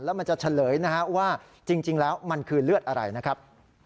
แล้วมันจะเฉลยนะฮะว่าจริงแล้วมันคือเลือดอะไรนะครับ